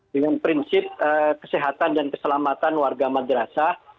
dengan prinsip kesehatan dan keselamatan warga madrasah